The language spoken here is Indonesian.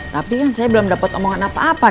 tapi kan saya belum dapat omongan apa apa